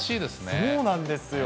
そうなんですよ。